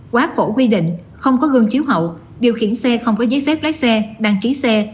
quá khổ quy định không có gương chiếu hậu điều khiển xe không có giấy phép lái xe đăng ký xe